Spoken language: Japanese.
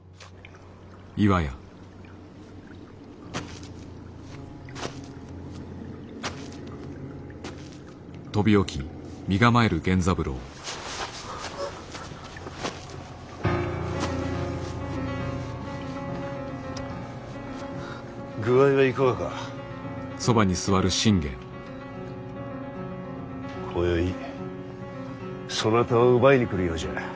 こよいそなたを奪いに来るようじゃ。